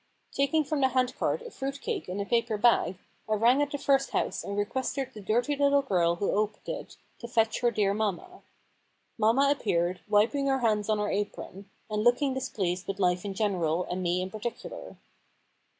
Taking from the handcart a fruit cake in a paper bag, I rang at the first house and requested the dirty little girl who opened it to fetch her dear mamma. Mamma ap peared, wiping her hands on her apron, and looking displeased with life in general and me in .particular.